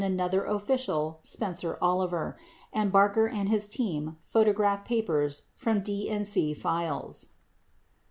29 other official, Spencer Oliver, 33 and Barker and his team photographed papers from DNC files.